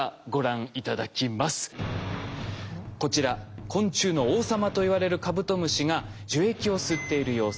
こちら昆虫の王様といわれるカブトムシが樹液を吸っている様子です。